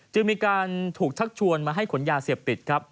จึงมีการถูกทักชวนมาให้ขนยาเสียบติด